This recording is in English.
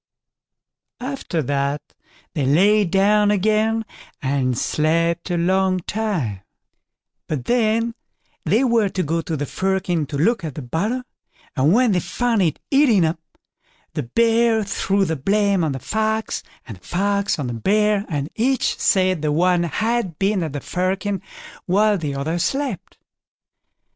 After that they lay down again, and slept a long time; but then they were to go to the firkin to look at the butter, and when they found it eaten up, the Bear threw the blame on the Fox, and the Fox on the Bear; and each said the one had been at the firkin while the other slept.